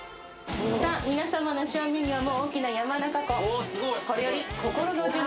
皆様の正面には、もう大きな山中湖。